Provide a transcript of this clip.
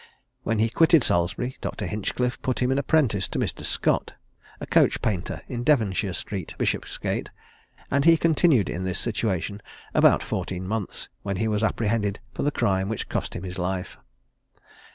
When he quitted Salisbury, Dr. Hinchcliffe put him apprentice to Mr. Scott, a coach painter in Devonshire street, Bishopsgate; and he continued in this situation about fourteen months, when he was apprehended for the crime which cost him his life.